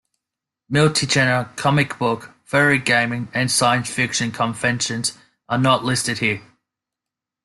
Multi-genre, comic book, furry, gaming, and science fiction conventions are not listed here.